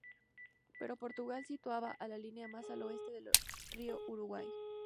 Pero Portugal situaba a la línea más al oeste del río Uruguay.